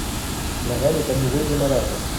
La Reine est amoureuse et malade.